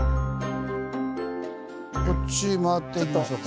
こっち回ってみましょうか。